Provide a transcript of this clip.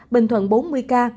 bình thuận bốn mươi ca